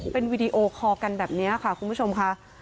เป็นวีดีโอคอลกันแบบนี้ค่ะคุณผู้ชมค่ะ